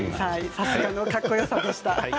さすがのかっこよさでした。